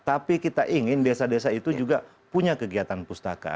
tapi kita ingin desa desa itu juga punya kegiatan pustaka